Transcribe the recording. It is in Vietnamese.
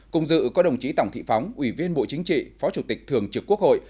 cùng dự có đồng chí tổng thị phóng ủy viên bộ chính trị phó chủ tịch thường trực quốc hội